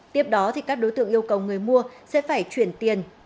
tiếp đó các đối tượng yêu cầu người mua sẽ phải chuyển tiền